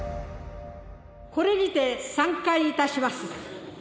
これにて散会いたします。